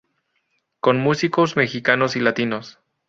Con músicos mexicanos y latinos.